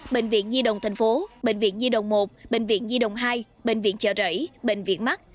bệnh viện di động thành phố bệnh viện di động một bệnh viện di động hai bệnh viện chợ rẫy bệnh viện mắt